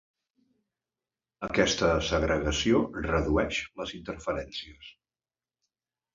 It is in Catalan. Aquesta segregació redueix les interferències.